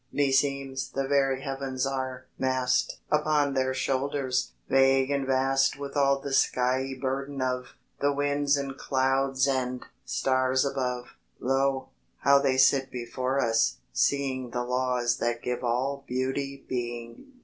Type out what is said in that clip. Meseems the very heavens are massed Upon their shoulders, vague and vast With all the skyey burden of The winds and clouds and stars above. Lo, how they sit before us, seeing The laws that give all Beauty being!